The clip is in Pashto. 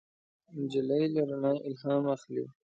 نجلۍ له رڼا الهام اخلي.